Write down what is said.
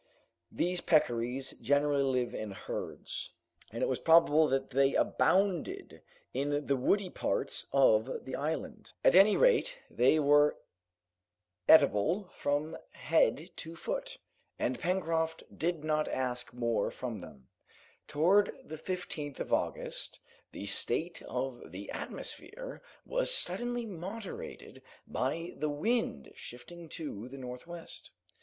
These peccaries generally live in herds, and it was probable that they abounded in the woody parts of the island. At any rate, they were eatable from head to foot, and Pencroft did not ask more from them. Towards the 15th of August, the state of the atmosphere was suddenly moderated by the wind shifting to the northwest.